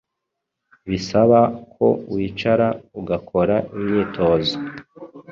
bisaba ko wicara ugakora imyitozo